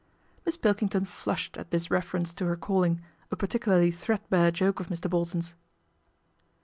Miss Pilkington flushed at this reference to her calling, a particularly threadbare joke of Mr. Bolton's.